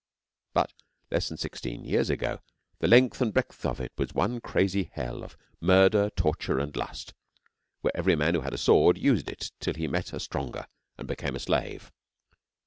But less than sixteen years ago the length and breadth of it was one crazy hell of murder, torture, and lust, where every man who had a sword used it till he met a stronger and became a slave.